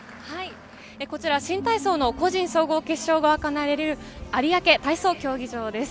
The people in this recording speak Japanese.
こちら新体操の個人総合決勝が行われる有明体操競技場です。